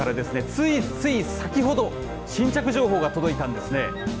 ついつい先ほど新着情報が届いたんですね。